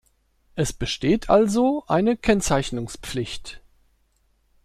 Es besteht also eine Kennzeichnungspflicht.